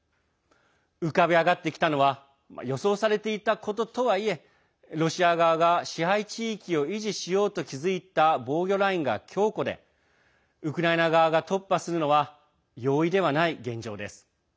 浮かび上がってきたのは予想されていたこととはいえロシア側が支配地域を維持しようと築いた防御ラインが強固でウクライナ側が突破するのは容易ではない現状です。